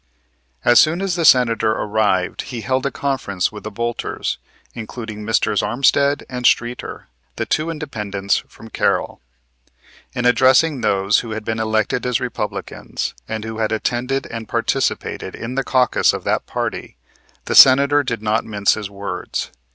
As soon as the Senator arrived he held a conference with the bolters, including Messrs. Armstead and Streeter, the two independents from Carroll. In addressing those who had been elected as Republicans and who had attended and participated in the caucus of that party, the Senator did not mince his words.